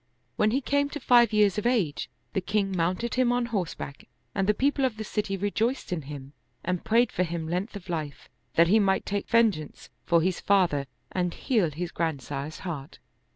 When he came to five years of age, the king 68 The Scar on the Throat mounted him on horseback and the people of the city re joiced in him and prayed for him length of Hfe, that he might take vengeance for his father and heal his grand sire's heart.